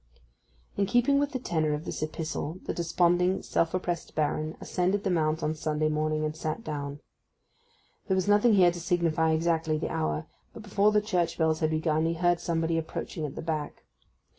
In keeping with the tenor of this epistle the desponding, self oppressed Baron ascended the mount on Sunday morning and sat down. There was nothing here to signify exactly the hour, but before the church bells had begun he heard somebody approaching at the back.